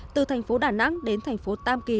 từ thành phố đà nẵng đến thành phố tam kỳ